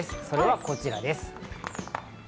それがこちらです。